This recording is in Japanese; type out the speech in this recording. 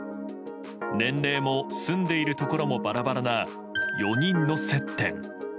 年齢も住んでいるところもバラバラな４人の接点。